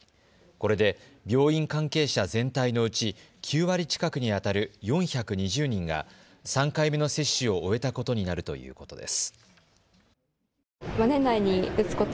これで、病院関係者全体のうち９割近くにあたる４２０人が３回目の接種を終えたことになるということです。